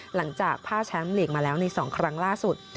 หลังจากผ้าแชมป์ลีกมาแล้วใน๒ครั้งล่าสุด